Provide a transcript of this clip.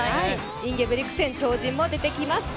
インゲブリクセン超人も出てきます。